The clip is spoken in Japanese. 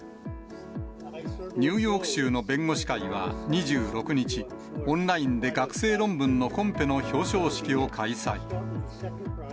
ニューヨーク州の弁護士会は２６日、オンラインで学生論文のコンペの表彰式を開催。